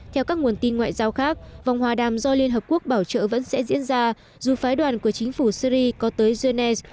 theo các nguồn tin ngoại giao khác vòng hòa đàm do liên hợp quốc bảo trợ vẫn sẽ diễn ra dù phái đoàn của chính phủ syri có tới genève